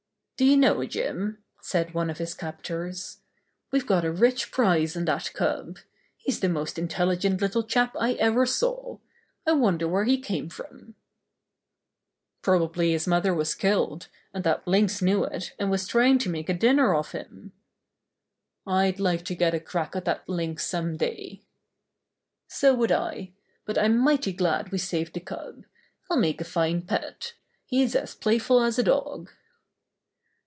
"Do you know, Jim," said one of his cap tors, "we've got a rich prize in that cub. He's the most intelligent little chap I ever saw. I wonder where he came from." "Probably his mother was killed, and that Lynx knew it, and was trying to make a dinner off him." 36 Buster the Bear "I'd like to get a crack at that lynx some day." "So would I. But I'm mighty glad we saved the cub. He'll make a fine pet. He's as playful as a dog.